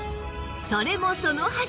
それもそのはず！